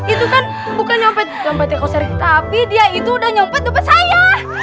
itu kan bukan sampai sampai tapi dia itu udah nyokap saya